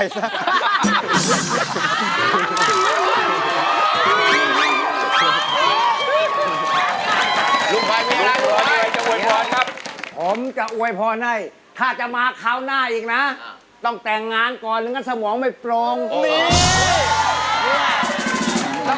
ลูกพ่อนนี้นะลูกพ่อนเดงจะอวยพรครับ